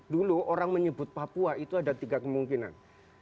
dulu orang menyebut papua itu ada tiga kemungkinan